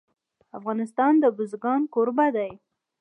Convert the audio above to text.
افغانستان د بزګان کوربه دی.